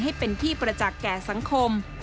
ให้เป็นที่ประจักษ์แก่สังคม